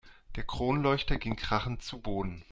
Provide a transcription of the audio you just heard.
Der Kronleuchter ging krachend zu Boden.